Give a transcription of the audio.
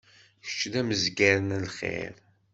Kečč d amezzgar n lxiṛ.